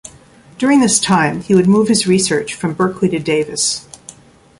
During this time, he would move his research from Berkeley to Davis.